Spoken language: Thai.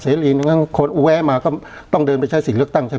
รีหนึ่งคนแวะมาก็ต้องเดินไปใช้สิทธิ์เลือกตั้งใช่ไหม